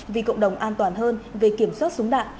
vì cộng đồng an toàn hơn về kiểm soát súng đạn